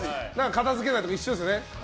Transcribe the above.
片付けないとか一緒ですね。